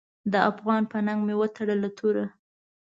د افغان په ننګ مې وتړله توره .